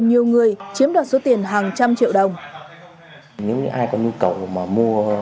nhiều người chiếm đoạt số tiền hàng trăm